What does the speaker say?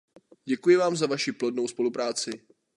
Děkuji vám za vaši plodnou spolupráci.